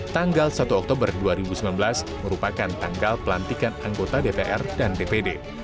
tanggal satu oktober dua ribu sembilan belas merupakan tanggal pelantikan anggota dpr dan dpd